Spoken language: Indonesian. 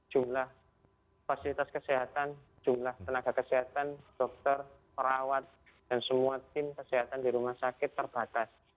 jumlah fasilitas kesehatan jumlah tenaga kesehatan dokter perawat dan semua tim kesehatan di rumah sakit terbatas